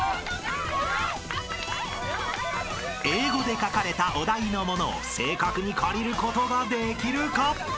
［英語で書かれたお題のものを正確に借りることができるか？］